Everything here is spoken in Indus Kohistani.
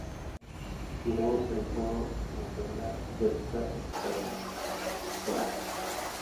دُوۡیں سجدیوَیں من٘ژھولہ (جلسہ) آں قَیدہ (قعدہ) مہ